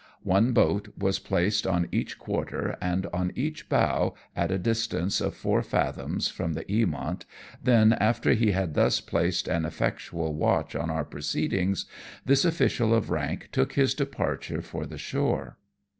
One boat was placed on each quarter and on each bow, at a distance of four fathoms from the Eamont, then, after he had thus placed an effectual watch on our proceedings, this official of rank took his departure for the shore.